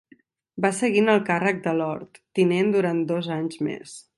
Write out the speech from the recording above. Va seguir en el càrrec de Lord tinent durant dos anys més.